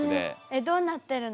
えっどうなってるの？